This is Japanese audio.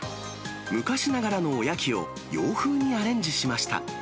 昔ながらのおやきを洋風にアレンジしました。